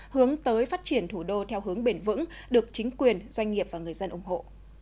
hướng tới phát triển thủ đô theo hướng bền vững được chính quyền doanh nghiệp và người dân ủng hộ